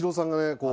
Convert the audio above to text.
こう